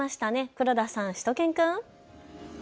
黒田さん、しゅと犬くん。